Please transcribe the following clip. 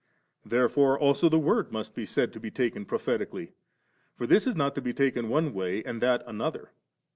Therefore also the Word most be said to be spoken of prophetically ; for this is not to be taken one way, that another.